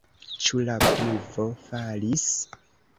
Ĉu la pluvo falis?